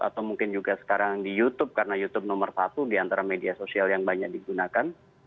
atau mungkin juga sekarang di youtube karena youtube nomor satu di antara media sosial yang banyak digunakan